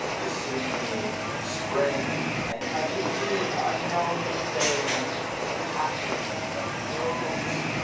The symphony of Spring ; and touch a theme Unknown to &me, the passion of the groves.